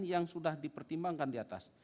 yang sudah dipertimbangkan diatas